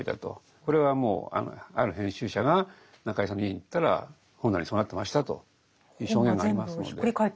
これはもうある編集者が中井さんの家に行ったら本棚そうなってましたという証言がありますので。